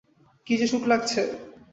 কী যে সুখ লাগছে!